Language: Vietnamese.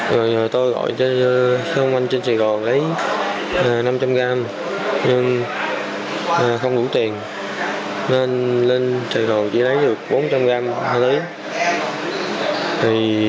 nên lên sài gòn chỉ lấy được bốn trăm linh gram thì quay về thì bị công an thành phố lâm khánh bắt